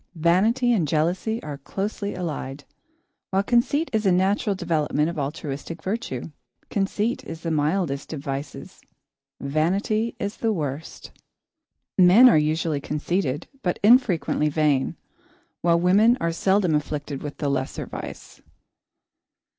Vanity and jealousy are closely allied, while conceit is a natural development of altruistic virtue. Conceit is the mildest of vices; vanity is the worst. Men are usually conceited but infrequently vain, while women are seldom afflicted with the lesser vice.